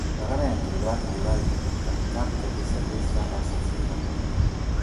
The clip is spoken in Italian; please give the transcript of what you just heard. Raramente, durante gli orari di punta, capita che sia questa la stazione capolinea.